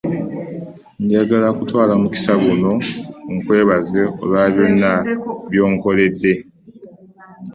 Njagala kutwala mukisa guno nkwebaze olwa byonna by'otukoledde.